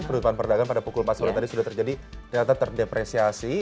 penutupan perdagangan pada pukul empat sore tadi sudah terjadi ternyata terdepresiasi